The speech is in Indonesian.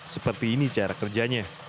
seperti ini cara kerjanya